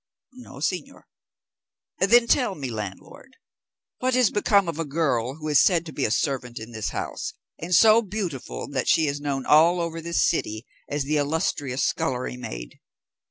"No, señor." "Then tell me, landlord, what is become of a girl who is said to be a servant in this house, and so beautiful that she is known all over this city as the illustrious scullery maid?